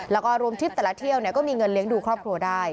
แล้วก็รวมทริปแต่ละเที่ยวก็มีเงินเลี้ยงดูครอบครัวได้